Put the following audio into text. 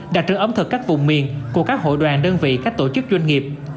đặc trưng ẩm thực các vùng miền của các hội đoàn đơn vị các tổ chức doanh nghiệp